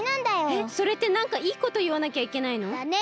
えっそれってなんかいいこといわなきゃいけないの？だね！